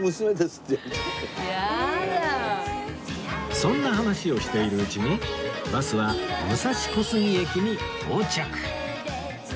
そんな話をしているうちにバスは武蔵小杉駅に到着